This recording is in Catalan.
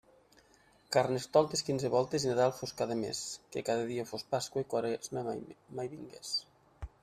Carnestoltes quinze voltes i Nadal fos cada mes, que cada dia fos Pasqua i Quaresma mai vingués.